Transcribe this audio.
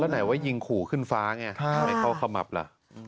ไหนว่ายิงขู่ขึ้นฟ้าไงทำไมเขาขมับล่ะ